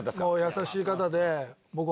優しい方で。